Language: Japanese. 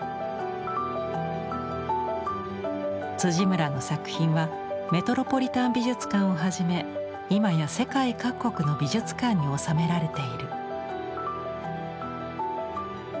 村の作品はメトロポリタン美術館をはじめ今や世界各国の美術館に収められている。